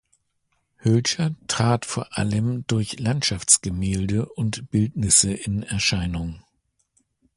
Hölscher trat vor allem durch Landschaftsgemälde und Bildnisse in Erscheinung.